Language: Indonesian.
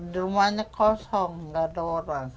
rumahnya kosong nggak ada orang